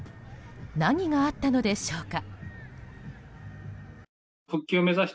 何があったのでしょうか。